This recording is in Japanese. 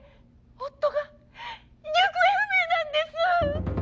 夫が行方不明なんです！